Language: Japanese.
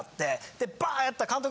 でバーンやったら。